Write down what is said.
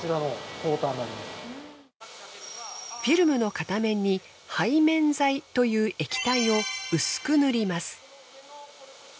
フィルムの片面に背面剤という液体を薄く塗ります。